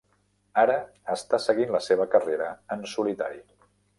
Ara està seguint la seva carrera en solitari.